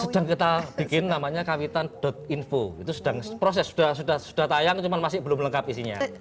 sedang kita bikin namanya kawitan info itu proses sudah tayang cuman masih belum lengkap isinya